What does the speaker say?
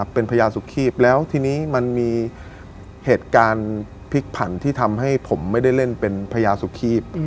เป็นพญาสุขคีบแล้วทีนี้มันมีเหตุการณ์พลิกผันที่ทำให้ผมไม่ได้เล่นเป็นพญาสุขีบ